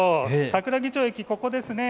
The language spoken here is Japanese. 桜木町駅、ここです。